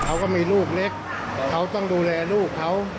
เขาก็มีลูกเล็กเขาต้องดูแลลูกเขา